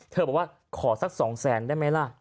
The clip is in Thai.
เธอบอกว่าขอสักสองแสนได้ไหมล่ะ